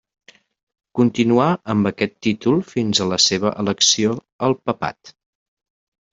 Continuà amb aquest títol fins a la seva elecció al papat.